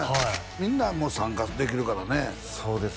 みんなも参加できるからねそうです